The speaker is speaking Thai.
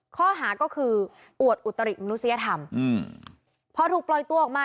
ข้อหาก็คืออวดอุตริมนุษยธรรมอืมพอถูกปล่อยตัวออกมา